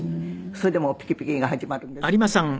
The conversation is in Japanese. それでもうピキピキが始まるんですね。